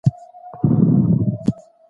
تکویني پوښتنې ماضي ته مراجعه کوي.